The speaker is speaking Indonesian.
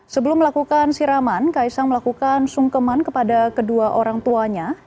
sebelum melakukan siraman kaisang melakukan sungkeman kepada kedua orang tuanya